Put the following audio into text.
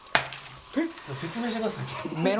説明してください。